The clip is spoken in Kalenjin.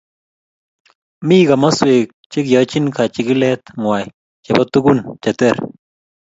Mi komoskwek che kiyoichini kachikilet ngwai chebo tukun che ter